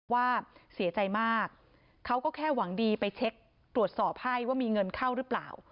ว่าเสียใจมากเขาก็แค่หวังดีไปเช็คตรวจสอบให้ว่ามีเงินเข้าหรือเปล่า